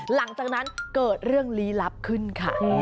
หลังจากนั้นเกิดเรื่องลี้ลับขึ้นค่ะ